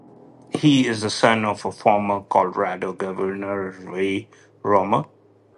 He is the son of former Colorado governor Roy Romer.